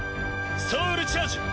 ソウルチャージ！